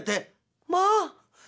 「まあ！」